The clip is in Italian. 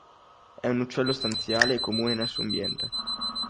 È un uccello stanziale e comune nel suo ambiente.